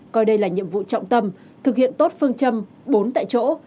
coi đây là nhiệm vụ trọng tâm thực hiện tốt phương châm bốn tại chỗ